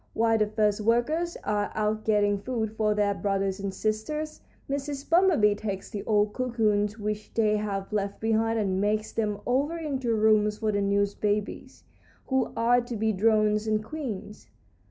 While the first workers are out getting food for their brothers and sisters, Mrs. Bumblebee takes the old cocoons which they have left behind and makes them over into rooms for the new babies, who are to be drones and queens.